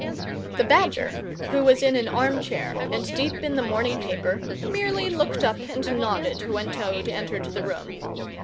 The Badger, who was in an arm chair and deep in the morning paper, merely looked up and nodded when Toad entered the room.